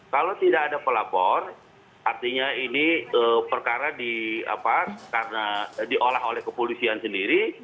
kalau tidak ada pelapor artinya ini perkara karena diolah oleh kepolisian sendiri